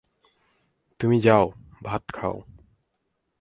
তুমি যাও, ভাত খাও।